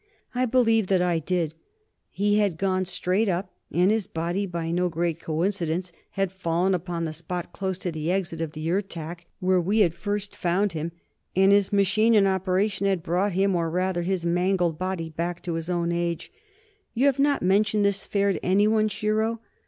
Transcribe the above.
I believe that I did. We had gone straight up, and his body, by no great coincidence, had fallen upon the spot close to the exit of the Ertak where we had first found him. And his machine, in operation, had brought him, or rather, his mangled body, back to his own age. "You have not mentioned this affair to anyone, Shiro?"